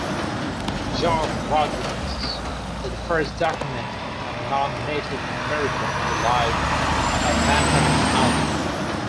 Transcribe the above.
Jan Rodrigues was the first documented non-Native American to live on Manhattan Island.